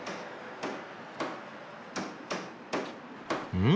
うん？